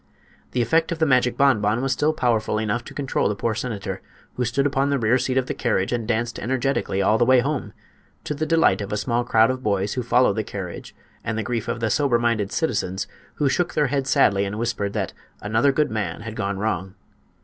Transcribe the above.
The effect of the magic bonbon was still powerful enough to control the poor senator, who stood upon the rear seat of the carriage and danced energetically all the way home, to the delight of the crowd of small boys who followed the carriage and the grief of the sober minded citizens, who shook their heads sadly and whispered that "another good man had gone wrong."